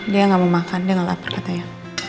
dia gak mau makan dia gak laper katanya